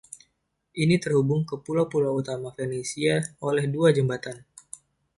Ini terhubung ke pulau-pulau utama Venesia oleh dua jembatan.